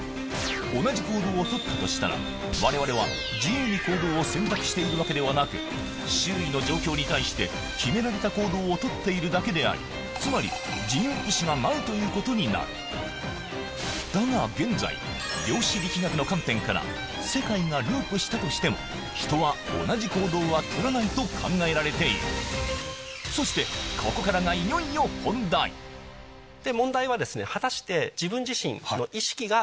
同じ行動をとったとしたら我々は自由に行動を選択しているわけではなく周囲の状況に対して決められた行動をとっているだけでありつまりということになるだが現在量子力学の観点から世界がループしたとしても人は同じ行動はとらないと考えられているそしていよいよ問題はですね果たして。